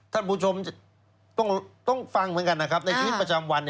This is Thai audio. ท่านผู้ชมต้องฟังเหมือนกันนะครับในชีวิตประจำวัน